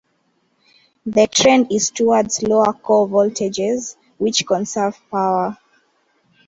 The trend is towards lower core voltages, which conserve power.